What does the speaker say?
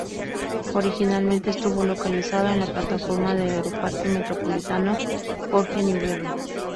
Originalmente estuvo localizado en la plataforma del Aeroparque Metropolitano Jorge Newbery.